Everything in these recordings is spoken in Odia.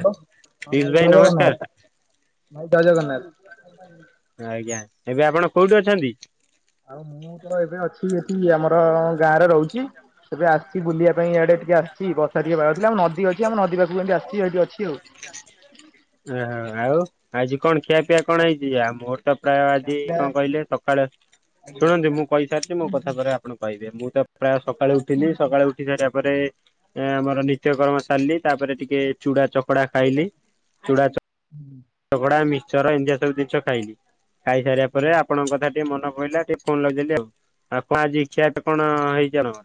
ହ୍ୟାଲୋ ହଁ ତିଲ୍ ଭାଇ ଜୟ ଜଗନ୍ନାଥ ନମସ୍କାର। ଭାଇ ଜୟ ଜଗନ୍ନାଥ। ଆଜ୍ଞା ଏବେ ଆପଣ କୋଉଠି ଅଛନ୍ତି? ଆଉ ମୁଁ ତ ଏବେ ଅଛି ଏଠି ଆମର ଗାଁରେ ରହୁଚି। ଏବେ ଆସିଛି ବୁଲିବା ପାଇଁ ଇଆଡେ ଟିକେ ଆସିଛି ବର୍ଷା ଟିକେ ଆମ ନଦୀ ଅଛି ଆମ ନଦୀ ପାଖକୁ ଏଠି ଆସିଚି ଏଇଠି ଅଛି ଆଉ। [unintelligible] ଆ ଆଉ ଆଜି କଣ ଖିଆ ପ୍ ପିଆ ଆଉ କଣ ହେଇଚି ମୋର ତ ପ୍ରାୟ ଖିଆ ଆଜି ପିଆ କଣ କହିଲେ ସକାଳେ ଆଜ୍ଞା ଶୁଣନ୍ତୁ ମୁଁ କହିଥାନ୍ତି ମୋ କୁହନ୍ତୁ କଥାପରେ ଆପ୍ କଣକହିବି। ମୁଁ ତ ପ୍ରାୟ ସକାଳୁ ଉଠିଲି କୁହନ୍ତୁ କୁହନ୍ତୁ ସକାଳେ ଉଠି ସାରିବା ପରେ ଏ ଆମର ନିତ୍ୟକର୍ମ ସାରିଲି ତାପରେ ଟିକେ ଚୁଡ଼ା ଚକଡ଼ା ଖାଇଲି। ଚୁଡ଼ା ଚକ୍ ଚକଡା ମିିକ୍ସର ଇନ୍ତିଆ ସବୁ ଜିନିଷ ଖାଇଲି ଖାଇସାରିବା କୁହନ୍ତୁ। ପରେ ଆପଣଙ୍କ କଥା ଟି ମନ ପଇଲ ଟିକେ ଫୋନ ଲଗେଇଲି ଆଉ। ଆଉ କଣ ଆଜି ଖିଆଟା କଣ ହେଇଚି ଜଣ?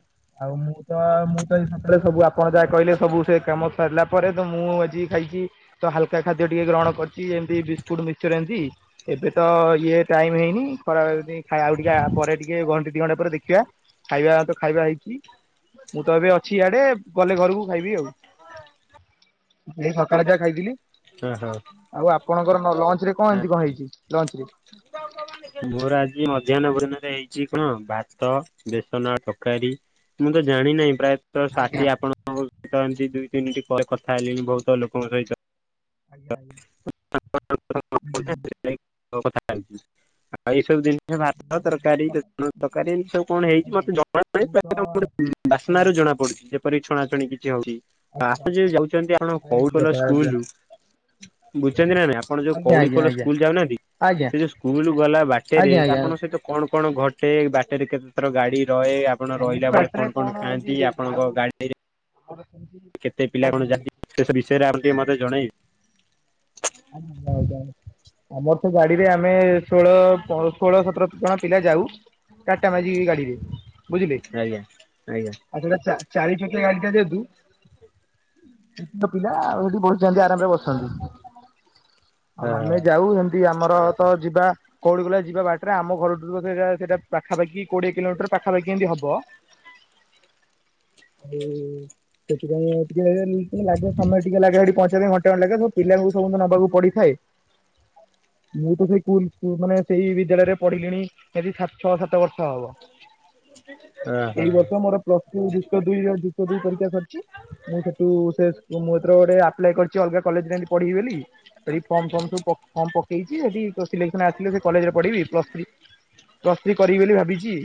ଆଉ ମୁଁ ତ ମୁଁ ସକାଳେ ସବୁ ଆପଣ ଯାହା କହିଲେ ସବୁ ସେ କାମ ସାରିଲା ପରେ ତ ମୁଁ ଆଜି ଖାଇଚି ତ ହାଲକା ଖାଦ୍ୟ ଟିକେ ଗ୍ରହଣ କରିଚି ଏମତି ବିସ୍କୁଟ ମିକ୍ସଚର ଏମିତି ଏବେ ତ ଇଏ ଟାଇମ ହେଇନି ଖରା ଆଉ ଟିକେ ପରେ ଟିକେ ଘଣ୍ଟେ ଦି ଘଣ୍ଟା ପରେ ଦେଖିବା। ଖାଇବା ତ ଖାଇବା ହେଇଛି ମୁଁ ତ ଏବେ ଅଛି ଇଆଡେ ଗଲେ ଘରକୁ ଖାଇବି ଆଉଏଇ ସକାଳେ ଯା ଖାଇଥିଲି। ଓହୋ ଆଉ ଆପଣଙ୍କର ଲଞ୍ଚ ରେ କଣ ଏମିତି କଣ ହେଇଛି ଲଞ୍ଚରେ? [unintelligible] ମୋର ଆଜି ମଧ୍ୟାହ୍ନଭୋଜନ ହେଇଛି କଣ ଭାତ ବେସନ ତରକାରୀ। ମୁଁ ତ ଜାଣିି ନାହିଁ ପ୍ରାୟ ତ ଆଜ୍ଞା। ସାଥୀଆପଣଙ୍କଛନ୍ତି ଦୁଇ ତିନିଟି କଥା ହେଲିଣି ବହୁତ ଲୋକଙ୍କ ସହିତ [unintelligible] କଥାଛି [unintelligible] ଆଉ ଏଇ ସବୁ ଜିନସ ଭାତ ତରକାରୀ ତରକାରୀ ଏି ସବୁ କଣ ହେଇଛି ମତେ ଜ [unintelligible] ମୁଁ ତ [unintelligible] ବାସ୍ନନା ଆଜ୍ଞା ରୁ ଜଣା ପଡୁଛି ଯେପରି ଛଣାଛଣି କିଛି ହଉଛି। ଆଚ୍ଛା ଆପଣ [unintelligible] ଯି ଆଚ୍ଛା ଯାଉଛନ୍ତି ଆପଣ ଏମିତି କୋଉଡଲ କଥା ସ୍କୁଲୁ [unintelligible] ବୁଝୁଛନ୍ତି ନା ନା ଆପଣ ଯୋଉ ଆଜ୍ଞା କଉଡି ଆଜ୍ଞା ଖୋଲ ସ୍କୁଲ ଯାଉନାହାନ୍ତି ଆଜ୍ଞା ସେ ଯୋଉ ସ୍କୁଲ ଗଲା ବାଟେରେ ଆଜ୍ଞା ଆଜ୍ଞା ଆଜ୍ଞା। ଆପଣଙ୍କ ସହିତ କଣ କଣ ଘଟେ ବାଟେରେ କେତେ ଥର ଗାଡି ରହେ ଆପଣ ସେମିତି ରହିଲା ବେଳେ ବାଟରେ କଣ କଣ ଖାଆନ୍ତି ଆପଣଙ୍କ ଗାଡିରେ ମଟ ସେତି [unintelligible] କେତେ ପିଲା କଣ ଯା [unintelligible] ସେ ବିଷୟରେ ଆମ ଟିକେ ମତେ ଜଣେଇ ଆଜ ହ ହଉ [unintelligible] ଆମର ତ ଗାଡିରେ ଆମେ ଷୋହଳ ଷୋହଳ ସତର ଜଣ ପିଲା ଯାଉ। ଟାଟା ମ୍ୟାଜିକ ଗାଡ଼ିିରେ। ବୁଝିଲେ ଆଜ୍ଞା ଆଜ୍ଞା ଆଜୋଟା ଚାରି ଚକିଆ ଗାଡିଟା ଯେହେତୁ ସେଠ ପିଲା ଆଉ ସେଠି ବସିଚନ୍ତି ଆରାମ ରେ ବସିଚନ୍ତି। ଆଉ ଆମେ ହଁ ଯାଉ ଏମତି କିଆମର ତ ଯିବା କଉଡି କଲା ଯିବା ବାଟରେ ଆମ ଘରଠୁ ବୋଧେ ସେଇଟା ପାଖାପାଖି କୋଡିଏ କିଲୋମିଟର ପାଖାପାଖି ଏମିତି ହବ। ଉଁ ସେଥିପାଇଁ ଆଉ। ଟିକିଏ ଲାଗେ ସମୟ ଟିକିଏ ଲାଗେ ସେଠି ପହଞ୍ଚେଇବା ପାଇଁ ଘଣ୍ଟେଖଣ୍ତେ ଲାଗେ ସବୁ ପିଲାଙ୍କୁ ସବୁୁ ନବାକୁ ପଡିଥାଏ। ମୁଁ ତ ସେଇ ସ୍କୁଲସ୍ ମାନେ ସେଇ ବିଦ୍ୟାଳୟରେ ପଢିଲିଣି। ସେଠି ସାତ ଛଅ ସାତ ବର୍ଷ ହବ ଓହୋ ଏଇ ବର୍ଷ ମୋର ପ୍ଲସ୍ ଟୁ ଯୁକ୍ତଦୁଇ ଆଉ ଯୁକ୍ତଦୁଇ ପରୀକ୍ଷା ସରିଚି ମୁଁ ସେଠୁ ସେ ଶୁଭମୌତ୍ର ଗୋଟେ ଆ ଆପ୍ଲାଇ କରିଚି ଅଲଗା କଲେଜ ରେ ଏମ୍ତି ପଢିବି ବୋଲି। ସେଇ ଫର୍ମ ଫମ ଟୁ ଫର୍ମ ପକେଇଚି ଯଦି ସିଲେକ୍ସନ ଆସିଲେ ସେଇ କଲେଜରେ ପଢିବି ପ୍ଲସଥ୍ରି ପ୍ଲସ୍ ଥ୍ରି କରିବି ବୋଲି ଭାବିଚି।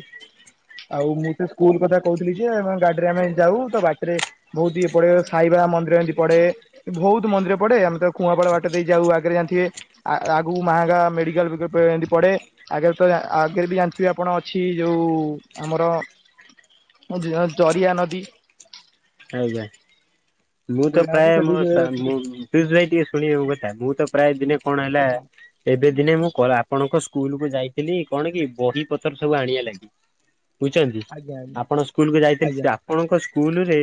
ଆଉ ମୁଁ ସେ ସ୍କୁଲ କଥା କହୁଥିଲି ଯେ ହଁ ଗାଡିରେ ଆମେ ଯାଉ ତ ବାଟରେ ବହୁତ୍ ଇଏ ପଡେ ସାଇବା ମନ୍ଦିର ଏମିତି ପଡେ। ବହୁତ୍ ମନ୍ଦିର ପଡେ ଆମେ ତାକୁ ଖୁଆପଡା ବା ବାଟଦେଇଯାଉ ଆଗେରେ ଥିବେ ଆଗକୁ ମାହାଙ୍ଗା ମେଡିକାଲ ବେଏମତି ପଡେ। ଆଗରେ ତଯାହା ଆଗରେ ବି ଜାଣିଥିବେ ଆପଣ ଅଛି ଯୋଉ ଆମର ମଝିରେ ଜରିଆ ନଦୀ। ଆଜ୍ଞା ମୁଁ ତ ଜରିଆ ନଦୀ ପ୍ରାୟ ସେଠି ମୋ ସେ ସ୍ବା ମୁଁ। ସୁଜିତ ଭାଇ ଟିକିଏ ଶୁଣିବେ ମୋ କଥା ମୁଁ ତ ପ୍ରାୟେ ଦିନେ କଣ ହେଲା ଆଜ୍ଞା ଏବେ ଦିନେ ମୁଁ କ ଆପଣଙ୍କ ସ୍କୁଲ କୁ ଯାଇଥିଲି। କଣ କି ବହି ପତର ସବୁ ଆଣିବା ଲାଗି। ବୁଝୁଚନ୍ତି। ଆଜ୍ଞା ଆପଣଙ୍କ ସ୍କୁଲ କୁ ଯାଇଥିଲି। ଆଜ୍ଞା ସେ ଆପଣଙ୍କ ସ୍କୁଲ ରେ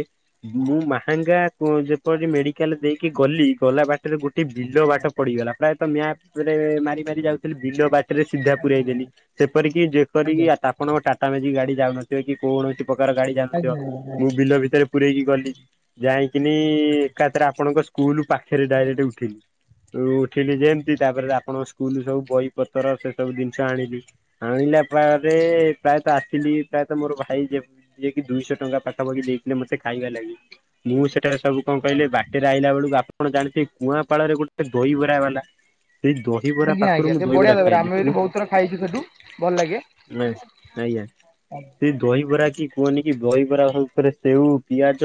ମୁଁ ମାହାଙ୍ଗା କ ଯେପରି ମେଡିକାଲ ଦେଇକି ଗଲି ଗଲା ବାଟ ସେଥିରେ ଗୋଟେ ବିଲ ଆଜ୍ଞା ବାଟ ପଡିଗଲା। ପ୍ରାୟତଃ ମ୍ଯାପରେ ମାରି ମାରି ଯାଉଥିଲି ବିଲ ବାଟ ରେ ସିଧା ପୁରେଇ ଆଜ୍ଞା ଦେଲି। ହେପରିକି ଆଜ୍ଞା ଆଜ୍ଞା ଆଜ୍ଞା ଯେପରିକି ଆ ତା ଆପଣଙ୍କ ଟାଟା ମେଜିକ ଗାଡି ଯାଉନଥିବ। କି କୌଣସି ପ୍ରକାର ଗାଡି ଯାଉନଥିବ। ଆଜ୍ଞା ମୁଁ ବିଲ ଭିତରେ ପୁରେଇକି ଗଲି। ଯାଇକିନି ଏକା ଥରେ ଆପଣଙ୍କ ସ୍କୁଲ ପାଖରେ ଡାଇରେକ୍ଟ ଉଠିଲି। ଉଠିଲି ଯେମତି ତାପରେ ଆପଣଙ୍କ ସ୍କୁଲ ସବୁ ବହି ପତର ସେ ସବୁ ଜିନିଷ ଆଣିଲି। ଆଣିଲା ପାରେ ପ୍ରାୟତଃ ଆସିଲି ତାସହିତ ମୋର ଭାଇ ଯେ ଯିଏ କି ଦୁଇଶହ ଟଙ୍କା ପାଖାପାଖି ଦେଇଥିଲେ ମତେ। ଖାଇବା ଲାଗି। ମୁଁ ସେଠାରେ ସବୁ କଣ କହିଲି ବାଟରେ ଆଇଲା ବେଳକୁ ଆ ଆପଣ ଜାଣିଥିବେ କୁଆଁପାଳ ରେ ଗୋଟେ ଦହି ବରା ବାଲା ସେଇ ଦହି- ଆଜ୍ଞା ଆଜ୍ଞା ସେ ବଢିଆ ଦହିବରା। ଆମେ ବିସେଠୁ ବହୁତ୍ ଥର ଖାଇଚୁ ସେଠୁ ଭଲ ଲାଗେ। ଆଜ୍ଞା। ହଁ [inaudible] ସେ ଦହିବରା କି କୁହନି କି ବହିବରା ଉପରେ ସେଉ ପିଆଜ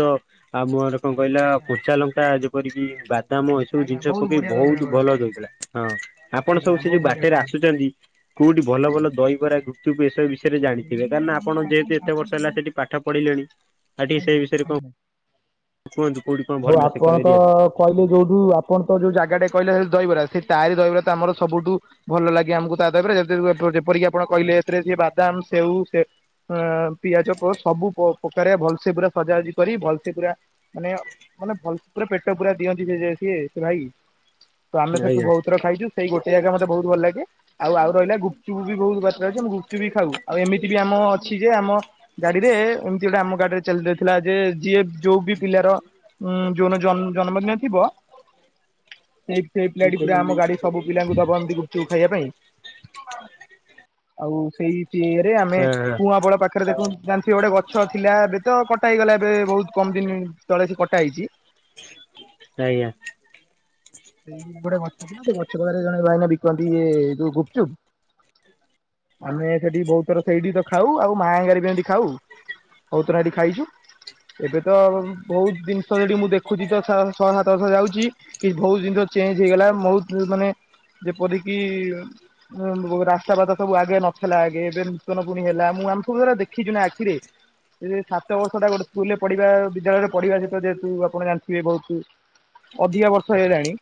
ଆଉ ମୋର କଣ କହିଲା ଆଜ୍ଞା ଆଜ୍ଞା କଞ୍ଚା ଲଙ୍କା ଯେପରିକି ବା ତମୁଁ ଏସବୁ ଆଜ୍ଞା ଜିନିଷ ବହୁତ ପକେଇ ବଢିଆ ଦହିବରା ବହୁତ୍ କରନ୍ତି ଭଲଦେଉଥିଲା। ହଁ ଆପଣ ଆଜ୍ଞା ସବୁ ସେ ବହୁତ ଯୋଉ ବଢିଆ ବାଟରେ କରନ୍ତି ଆସୁଚନ୍ତି। କୋଉଠି ଭଲ ଭଲ ଦହିବରା ଗୁ ଠୁ ଏ ବିଷୟରେ ଜାଣିଥିବେ। ସେଇଠି କାରଣ ଆପଣ ଆମର ଯେହେତୁ ଏତେ ବର୍ଷ ହେଲା ସେଠି ପାଠ ପଢିଲେଣି ଆଉ ଆଜ୍ଞା ଟିକିଏ ସେ ଆଜ୍ଞା। କୁହନ୍ତୁ କୋଉଠି କଣ ଭଲ ସେକର ଏରିଆ କହିଲୁ ଯୋଉଠୁ ଆପଣ ତ ଯୋଉ ଜାଗାଟା କହିଲେ ସେ ଦହିବରା ସେ ତାରି ଦହିବରା ତ ଆମର ସବୁଠୁ ଭଲ ଲାଗେ ଆମକୁ ତା ଦହିବରା ଯେମିତିକି ଯେପରିକି ଆପଣ କହିଲେ ଏଥିରେ ସିଏ ବାଦାମ ସେଉ ସେ ଅଁ ପିଆଜ ବ ସବୁ ପ୍ରକାରିଆ ଭଲସେ ପୁରା ସଜା ସଜି କରି ଭଲସେ ପୁରା ମାନେ ମାନେ ଭଲ ପୁରା ପେଟ ପୁରା ଦିଅନ୍ତି ସେ ସିଏ ସେ ଭାଇ ତ ଆମେ ସେଠୁ ଆଜ୍ଞା। ବହୁତ ଥର ଖାଇଚୁ। ସେଇ ଗୋଟେ ଯାଗା ମତେ ବହୁତ ଭଲ ଲାଗେ। ଆଉ ଆଉ ରହିଲା ଗୁପଚୁପୁ ବି ବହୁତ୍ ବାଟେରେ ଅଛି ଆମେ ଗୁପଚୁ ବି ଖାଉ, ଆଉ ଏମିତି ବି ଆମ ଅଛି ଯେ ଆମ ଗାଡିରେ ଏମତି ଗୋଟେ ଆମ ଗାଡିରେ ଚାଲି ଯାଇଥିଲା ଯେ ଯିଏ ଯୋଉ ବି ପିଲାର ଉଁ ଯୋଉନ ଜ ଜନ୍ମଦିନ ଥିବ ସେ ସେଇ ହଁ ପିଲାଟି ପୁରା ହଁ ଆମ ଗାଡି ସବୁ ପିଲାଙ୍କୁ ଦବ ଏମତି ଗୁପ ଚୁପ୍ ଖାଇଆ ପାଇଁ ଆଉ ସେଇ ପିଏରେ ଆମେ କୁଆଁବଳ ପାଖେ ରେ ଦେଖନ୍ତୁ ଜାଣଥିବେ ଗୋଟେ ଗଛ ଥିଲା ଏବେ ତ କଟା ହେଇଗଲା ଏବେ ବହୁତ୍ କମ୍ ଦିନି ତଳେ ସେ କଟା ହେଇଚି। ଆଜ୍ଞା! ସେଇ ଗୋଟେ ଗଛ ଥିଲା, ସେ ଗଛ ପାଖେରେ ଜଣେ ଭାଇନା ବିକନ୍ତି ଇଏ ଯୋଉ ଗୁପଚୁପ୍। ଆମେ ସେଠି ବହୁତ୍ ଥର ସେଇଠି ତ ଖାଉ, ଆଉ ମାହାଙ୍ଗାରେ ବି ଏମତି ଖାଉ। ବୋହୁତ୍ ଥର ଏଠି ଖାଇଛୁ। ଏବେ ତ ଭୋଉତ୍ ଦିନଷ ସେଠି ମୁଁ ଦେଖୁଚି ତ ଥା ଛ ସାତବର୍ଷ ଯାଉଛି କି ଭୋଉତ୍ ଜିନିଷ ଚେଞ୍ଜ ହେଇଗଲା, ମୋହୁତ୍ ମାନେ ଯେପରିକି ଉଁ ବୋ ରାସ୍ତା ବାତା ସବୁ ଆଗେ ନଥିଲା ଆଗେ ଏବେ ନୂତନ ପୁଣି ହେଲା ମୁଁ ଆମେ ସବୁ ଏରା ଦେଖିଛୁ ନା ଆଖିରେ। ସେ ସାତ ବର୍ଷଟା ଗୋଟେ ସ୍କୁଲ ରେ ପଢିବା, ବିଦ୍ୟାଳୟରେ ପଢିବା ସେତ ଯେହେତୁ ଆପଣ ଜାଣିଥିବେ ଭୋଉତୁ ଅଧିକା ବର୍ଷ ହେଇଗଲାଣି।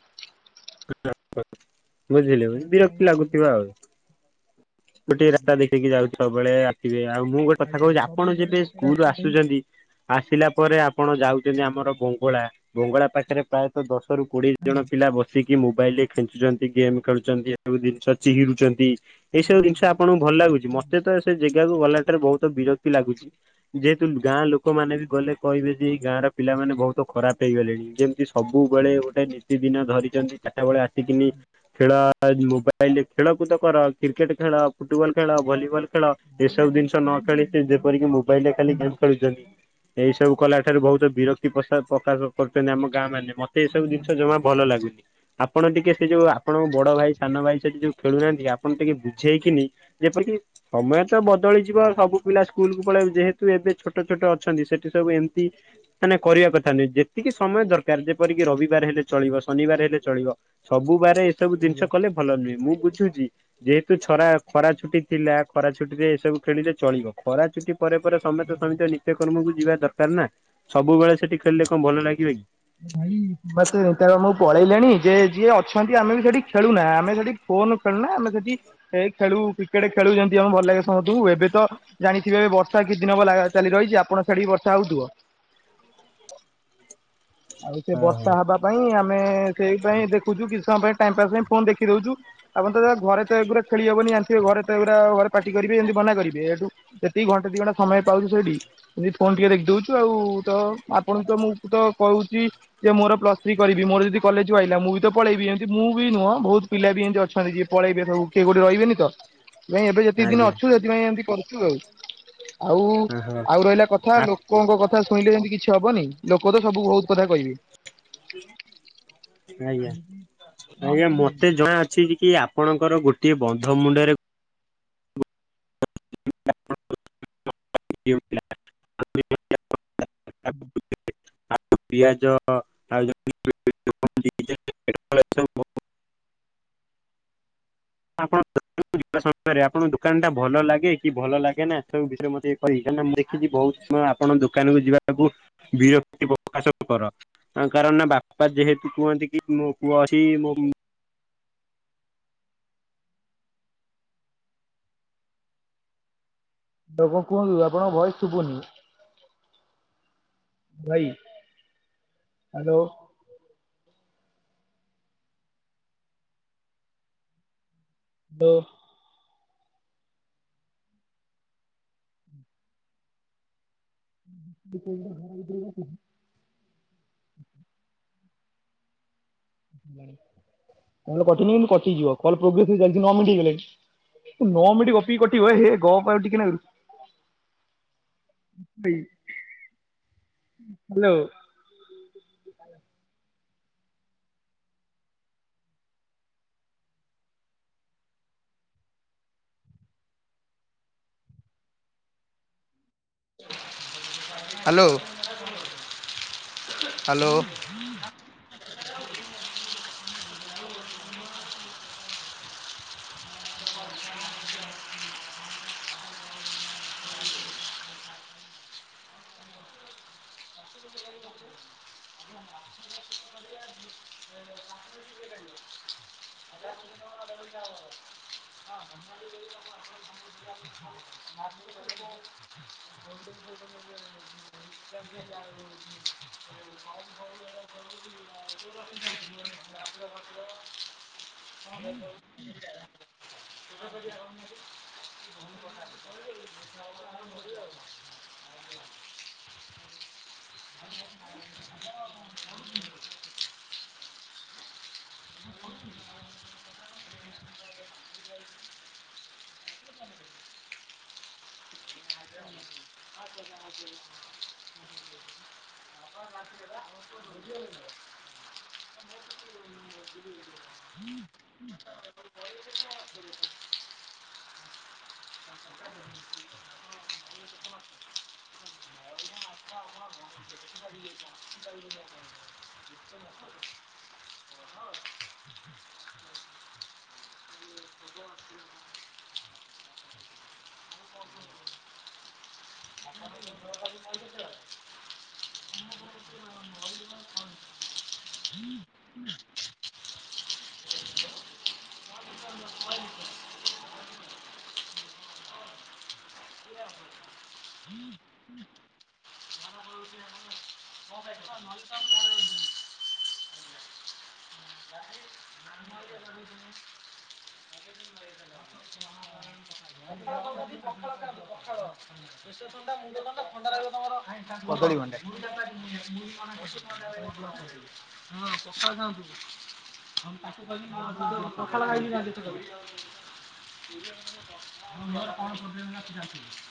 ବୁଝିଲେବି ବିରକ୍ତି ଲାଗୁଥିବ ଆଉ। ଗୋଟେ ଆଜ୍ଞା ରାସ୍ତା ଦେଖିକି ଯାଉଚି ସବୁବେଳେ, ଆପିବେ ଆଉ ମୁଁ ଗୋଟେ କଥା ଆଜ୍ଞା କୋଉଚି ଆପଣ ସବୁବେଳେ ଯେବେ ଗୋଟେ ସ୍କୁଲୁ ରାସ୍ତା ଦେଇ ଆସୁଚନ୍ତି ଆସିଲା ପରେ ଆପଣ ଯାଉଚନ୍ତି ଆମର ବଙ୍ଗଳା ବଙ୍ଗଳା ପାଖେରେ ପ୍ରାଏତଃ ଦଶ ରୁ କୋଡିଏ ଜଣ ଆଜ୍ଞା ପିଲା ବସିକି କିଏ ମୋବାଇଲ ରେ ଖେଞ୍ଚୁଚନ୍ତି ଗେମ୍ ଖେଳୁଚନ୍ତି ଯାହାବି ଜିନିଷ ଚିହିରୁଚନ୍ତି ଏଇ ଆଜ୍ଞା ସବୁ ଜିନଷ ଆଜ୍ଞା ଆପଣଙ୍କୁ ଭଲ୍ ଲାଗୁଚି, ଆଜ୍ଞା। ମତେ ତ ସେ ଜେଗାକୁ ଗଲା ଭିତେରେ ବହୁତ ବିରକ୍ତି ଲାଗୁଛି। ଯେହେତୁ ଗାଁ ଲୋକମାନେ ବି ଗଲେ କହିବେ ଯେ ଏଇ ଗାଁ ର ପିଲାମାନେ ବହୁତ ଖରାପ ହେଇଗଲେଣି ଯେମତି ସବୁବେଳେ ଗୋଟେ ନୀତିଦିନ ଧରିଚନ୍ତି ଚାଟାବେଳେ ଆ ସିକିନି ଖେଳ ମୋବାଇଲରେ ଖେଳକୁଦ କର କ୍ରିକେଟ ଖେଳ, ଫୁଟବଲ୍ ଖେଳ, ଭଲିବଲ୍ ଖେଳ ଏସବୁ ଜିନିଷ ନ ଖେଳିଚି ଆଜ୍ଞା ଯେପରିକି ମୋବାଇଲ ରେ ଖାଲି ଗେମ୍ ଖେଳୁଚନ୍ତି। ଏଇ ସବୁ କଲା ଠାରୁ ବହୁତ ବିରକ୍ତି ପ୍ରଶା ପ୍ରକାଶ କରୁଚନ୍ତି ଆମ ଗାଁ ମାନେ। ମତେ ଏସବୁ ଆଜ୍ଞା ଆଜ୍ଞା ଦିନଷ ଜମା ଭଲ ଲାଗୁନି। ଆପଣ ଟିକେ ସେ ଯୋଉ ଆପଣଙ୍କ ବଡ ଭାଇ ସାନ ଭାଇ ସେଠି ଯୋଉ ଖେଳୁ ନାହାନ୍ତି ଆ ପଣ ଟିକେ ବୁଝେଇ କିନି ଯେପରିକି ସମୟ ତ ବଦଳିଯିବ ସବୁ ପିଲା ସ୍କୁଲ କୁ ପଳେଇବେ ଯେହେତୁ ଏବେ ଛୋଟ ଛୋଟ ଅଛନ୍ତି ସେଠି ସବୁ ଏମତି ନା ନାଇଁ କରିବା କଥା ନୁହେଁ, ଯେତିକି ସମୟ ଦରକାର ଯେପରିକି ରବିବାର ହେଲେ ଚଳିବ ଶନିବାର ହେଲେ ଚଳିବ। ସବୁ ବାରେ ଏସବୁ ଦିନଷ କି କଲେ ଭଲ ନୁହେଁ ମୁଁ ବୁଝୁଚି। ଯେହେତୁ ଛରା ଖରା ଛୁଟି ଥିଲା ଖରା ଛୁଟିରେ ଏସବୁ ଖେଳିଲେ ଚଳିବ। ଖରା ଛୁଟି ପରେ ପରେ ସମେତେ ସମିତିଙ୍କ ନିତ୍ୟ କର୍ମୁକୁ ଯିବା ଦରକାର ନା, ସବୁବେଳେ ସେଠି ଖେଳିଲେ କଁ ଭଲ ଲାଗିବେ କି? ଏ ଭାଇ ମତେ [unintelligible] ପଳେଇଲେଣି ଯେ ଯିଏ ଅଛନ୍ତି ଆମେ ବି ସେଠି ଖେଳୁନାଁ ଆମେ ସେଠି ଫୋନ ଖେଳୁ ନା ଆମେ ସେଠି ଏ ଖେଳୁ କ୍ରିକେଟ ଖେଳୁ ଯେମତି ଆମୁକୁ ଭଲ ଲାଗେ। ସମତୁଙ୍କୁ ଏବେ ତ ଜାଣିଥିବେ ବର୍ଷା କିଛିଦିନି ହବ ଲା ଚାଲି ରହିଛି ଆପଣ ସେଠିକି ବର୍ଷା ହଉଥିବ। ହ [inaudible] ଆଉ ସେ ବର୍ଷା ହବା ପାଇଁ ଆମେ ସେଇ ପାଇଁ ଦେଖୁଚୁ, କିଛି ସମୟ ପାଇଁ ଟାଇମ୍ ପାସ୍ ପାଇଁ ଫୋନ ଦେଖିଦଉଚୁ। ଆପଣତ ଯା ଘରେ ତ ଏଗୁରା ଖେଳି ହବନି ଯା ନଥିବେ ଘରେତ ଏଗୁରା ଘରେ ପାଟି କରିବେ ଏମତି ମନା କରିବେ, ଏଠୁ ଯେତିକି ଘଣ୍ଟେ ଦି ଘଣ୍ଟା ସମୟ ପାଉଛୁ ସେଇଠି ନିତ୍ ଫୋନ୍ ଟିକେ ଦେଖିଦଉଛୁ ଆଉ, ତ ଆପଣ ତ ମୁଁ ତ କୋଉଚି ଯେ ମୋର ପ୍ଲସ୍ ଥ୍ରୀ କରିବି ମୋର ଯଦି କଲେଜୁ ଆଲଲା ମୁଁ ବି ତ ପଳେଇବି, ଏମତି ମୁଁ ବି ନୁହଁ ଭୋଉତ୍ ପିଲା ବି ଏମତି ଅଛନ୍ତି ଯିଏ ପଳେଇବେ ସବୁ କିଏ କୋଉଠି ରହିବେନି ତ। ନାଇଁ ଏବେ ଯେତିକି ଦିନି ଆଜ୍ଞା ଅଛୁ ସେଥିପାଇଁ ଏମତି କରୁଛୁ ଆଉ। ଆଉ ଓହୋ ଆଉ ରହିଲା କଥା ଲୋକ ଲୋକଙ୍କ କଥା ଶୁଣିଲେ ଯେମିତି କିଛି ହବନି ଲୋକ ତ ସବୁ ବହୁତ କଥା କହିବେ। ଆଜ୍ଞା କଣ ଆଜ୍ଞା କରିବ ମତେ ଜଣା ଅଛି କି ଆପଣଙ୍କର ଗୋଟିଏ ବନ୍ଧ ମୁଣ୍ଡରେ [inaudible] ହୁଁ। ଆଉ ପିଆଜ ଆଉ [unintelligible] ଆପଣ ଯିବା ସମୟରେ ଆପଣଙ୍କ ଦୋକାନ ଟା ଭଲ ଲାଗେ କି ଭଲ ଲାଗେ ନା ଏସବୁ ବିଷୟରେ ମୋତେ ହଇ କାଁକିନା ମୁଁ ଦେଖିଛି ବହୁତ ସମୟ ଆପଣ ଦୋକାନକୁୁ ଯିବାକୁ ବିରକ୍ତି ପ୍ରକାଶ କରନ୍ତୀ। ତା କାରଣ ନା ବାପା ଯେହେତୁ କୁହନ୍ତି କି ମୋ ପୁଅ ଅଛି ମୋ ଆଉ କଣ କୁହନ୍ତୁ ଆପଣଙ୍କ ଭୟସ ଶୁଭୁନି। ଭାଇ ହ୍ୟାଲୋ। [inaudible] [inaudible] କଲ ଲଟିନି କିନ୍ତୁ କଟିଯିବ କ ପ୍ରୋଗ୍ରେସ ହେଇ ଚାଲିଛି ନଅ ମିନଟ ହେଇଗଲାଣି। ନଅ ମିନିଟ ଗପିକି କରିବ ହେ ଗପ ଆଉ ଟିକେ ନାଗୁରୁ। [unintelligible] ହ୍ୟାଲୋ। Hello hello. [unintelligible] [unintelligible] [unintelligible] [unintelligible] କଦଳୀ ଭଣ୍ଡା। [unintelligible] ଆଁ ତାକୁ ପଖାଲ ଖାଇକି ଯାଆନ୍ତି। [unintelligible]